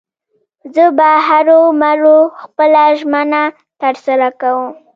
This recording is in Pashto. زه به هرو مرو خپله ژمنه تر سره کوم.